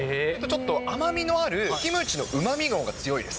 ちょっと甘みのあるキムチのうまみのほうが強いです。